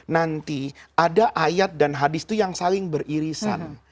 nanti ada ayat dan hadis itu yang saling beririsan